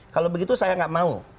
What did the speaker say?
kalau begitu saya nggak mau